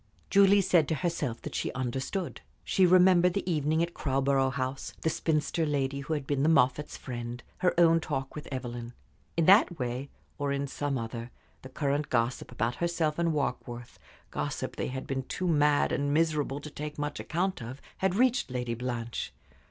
Julie said to herself that she understood. She remembered the evening at Crowborough House, the spinster lady who had been the Moffatts' friend, her own talk with Evelyn. In that way, or in some other, the current gossip about herself and Warkworth, gossip they had been too mad and miserable to take much account of, had reached Lady Blanche.